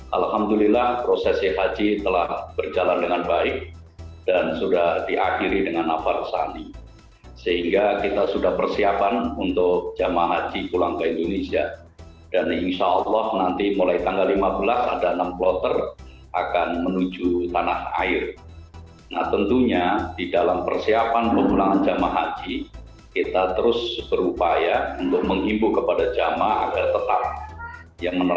alhamdulillah proses haji telah berjalan dengan baik dan sudah diakhiri dengan afar